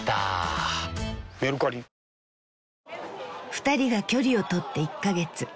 ［２人が距離を取って１カ月］